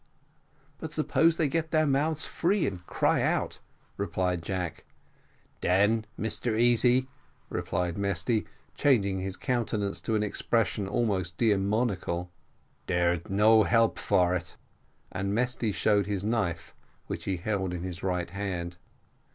"But suppose they get their mouths free and cry out?" replied Jack. "Den, Mr Easy," replied Mesty, changing his countenance to an expression almost demoniacal "there no help for it" and Mesty showed his knife which he held in his right hand.